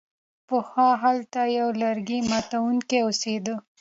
پخوا هلته یو لرګي ماتوونکی اوسیده.